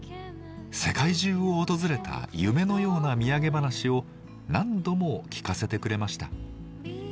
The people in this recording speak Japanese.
世界中を訪れた夢のような土産話を何度も聞かせてくれました。